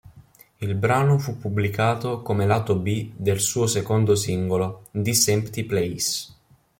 Il brano fu pubblicato come lato B del suo secondo singolo "This Empty Place".